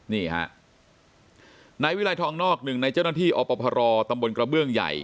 นี่ฮะนายวิรัยทองนอกหนึ่งในเจ้าหน้าที่อพรตำบลกระเบื้องใหญ่